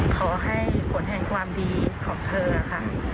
ขอให้ผลแห่งความดีของเธอค่ะ